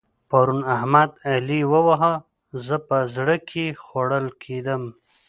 پرون احمد؛ علي وواهه. زه په زړه کې خوړل کېدم.